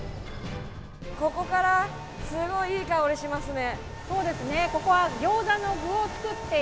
ここからすごいいい香りしますね。